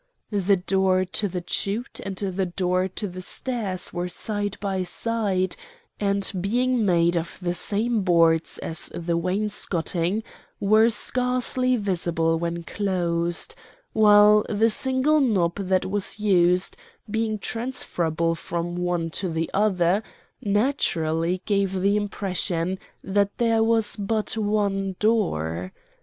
The door to the chute and the door to the stairs were side by side, and being made of the same boards as the wainscoting, were scarcely visible when closed, while the single knob that was used, being transferable from one to the other, naturally gave the impression that there was but one door.